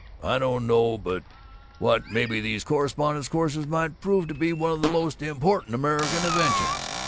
I don't know but what maybe these correspondence courses might prove to be one of the most important American inventions.